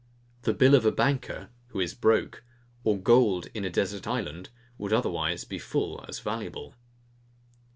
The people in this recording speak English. The bill of a banker, who is broke, or gold in a desert island, would otherwise be full as valuable.